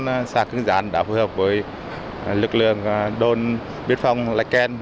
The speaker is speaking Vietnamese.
lực lượng công an xã cứng gián đã phù hợp với lực lượng đôn biên phòng lai ken